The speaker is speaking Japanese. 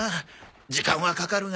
時間はかかるが。